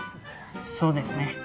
そうですね。